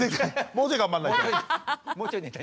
もうちょい頑張んないと。